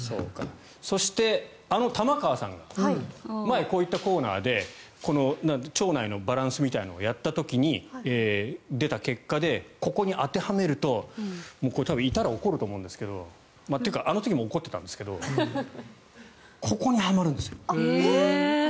そして、あの玉川さんが前にこういったコーナーで腸内のバランスみたいのをやった時に出た結果でここに当てはめると多分いたら怒ると思うんですけどというかあの時も怒ってたんですけどここにはまるんですよ。